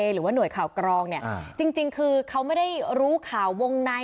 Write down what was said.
หรือว่าหน่วยข่าวกรองเนี่ยจริงคือเขาไม่ได้รู้ข่าววงใน